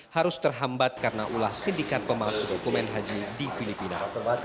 harus terhambat karena ulah sindikat pemalsu dokumen haji di filipina